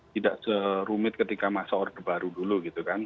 tidak serumit ketika masa orde baru dulu gitu kan